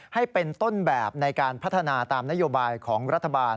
ให้เป็นต้นแบบในการพัฒนาตามนโยบายของรัฐบาล